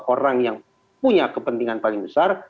orang yang punya kepentingan paling besar